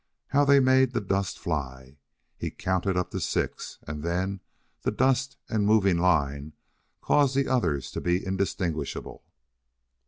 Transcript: How they made the dust fly! He counted up to six and then the dust and moving line caused the others to be indistinguishable.